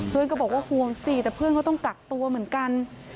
เพื่อนก็บอกว่าห่วงสิแต่เพื่อนเขาต้องกักตัวเหมือนกัน